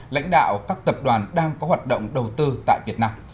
lãnh đạo các tập đoàn đang có hoạt động đầu tư tại việt nam